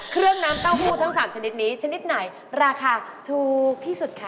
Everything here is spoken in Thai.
เครื่องน้ำเต้าหู้ทั้ง๓ชนิดนี้ชนิดไหนราคาถูกที่สุดคะ